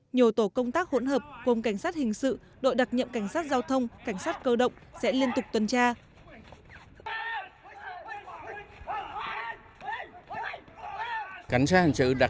nhiều tổ công tác hỗn hợp gồm cảnh sát hình sự đội đặc nhiệm cảnh sát giao thông cảnh sát cơ động sẽ liên tục tuần tra